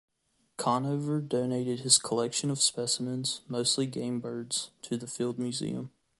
Conover donated his collection of specimens, mostly game birds, to the Field Museum.